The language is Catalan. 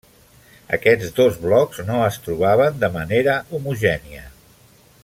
Aquests dos blocs no es trobaven de manera homogènia.